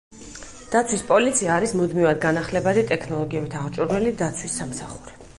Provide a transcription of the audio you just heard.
დაცვის პოლიცია არის მუდმივად განახლებადი ტექნოლოგიებით აღჭურვილი დაცვის სამსახური.